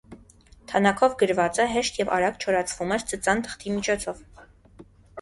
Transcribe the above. Թանաքով գրվածը հեշտ և արագ չորացվում էր ծծան թղթի միջոցով։